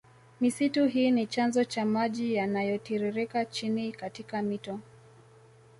Misitu hii ni chanzo cha maji yanayotiririke chini katika mito